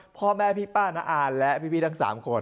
พ่อแม่พี่ป้าน้าอานและพี่ทั้ง๓คน